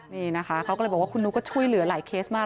นี่นะคะเขาก็เลยบอกว่าคุณนุ๊กก็ช่วยเหลือหลายเคสมาก